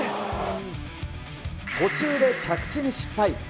途中で着地に失敗。